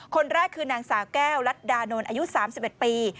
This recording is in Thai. คนแรกคือนางสาวแก้วรัฐดานนท์อายุ๓๑ปี